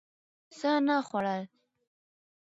څه نه خوړل